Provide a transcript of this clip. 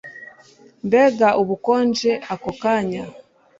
Mbega ubukonje ako kanya